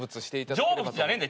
成仏じゃねえんだよ。